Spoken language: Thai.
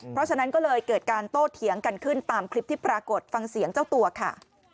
เพราะฉะนั้นก็เลยเกิดการโต้เถียงกันขึ้นตามคลิปที่ปรากฏฟังเสียงเจ้าตัวค่ะ